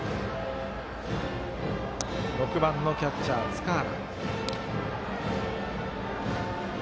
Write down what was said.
６番のキャッチャー、塚原。